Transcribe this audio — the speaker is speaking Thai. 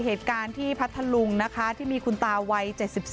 เหตุการณ์ที่พัทธลุงนะคะที่มีคุณตาวัย๗๒